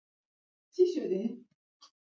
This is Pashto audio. پر ځای و چې د جمعې په ورځ د ګل اغا د کور مخکې.